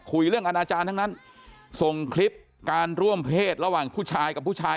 คุยเรื่องอนาจารย์ทั้งนั้นส่งคลิปการร่วมเพศระหว่างผู้ชายกับผู้ชาย